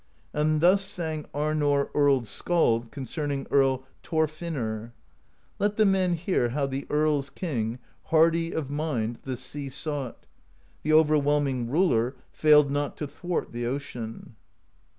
And thus sang Arnorr Earl's Skald concerning Earl Thorfinnr: Let the men hear how the Earl's King, Hardy of mind, the sea sought: The overwhelming Ruler Failed not to thwart the ocean.